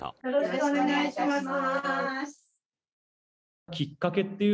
よろしくお願いします。